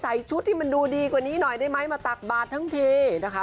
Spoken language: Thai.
ชุดที่มันดูดีกว่านี้หน่อยได้ไหมมาตักบาททั้งทีนะคะ